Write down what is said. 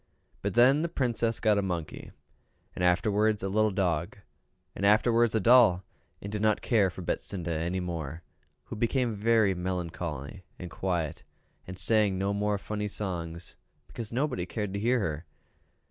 But then the princess got a monkey, and afterward a little dog, and afterward a doll, and did not care for Betsinda any more, who became very very melancholy and quiet, and sang no more funny songs, because nobody cared to hear her.